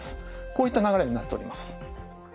こういった流れになっております。